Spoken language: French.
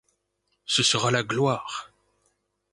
Ce sera la gloire.